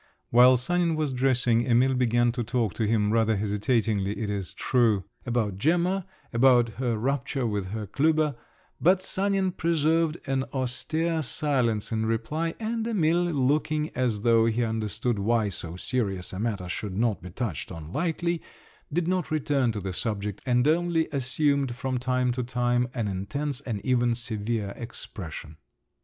While Sanin was dressing, Emil began to talk to him, rather hesitatingly, it is true, about Gemma, about her rupture with Herr Klüber; but Sanin preserved an austere silence in reply, and Emil, looking as though he understood why so serious a matter should not be touched on lightly, did not return to the subject, and only assumed from time to time an intense and even severe expression.